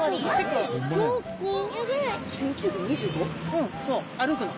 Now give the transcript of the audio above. うんそう歩くの。